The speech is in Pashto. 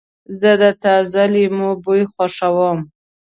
زه د تازه لیمو بوی خوښوم.